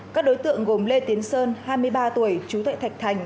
các đối tượng gồm lê tiến sơn hai mươi ba tuổi chú tệ thạch thành